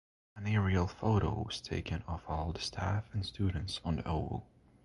An aerial photo was taken of all the staff and students on the oval.